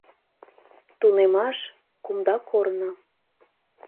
Тунемаш — кумда корно.